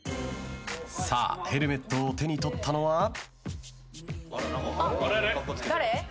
さあヘルメットを手に取ったのは。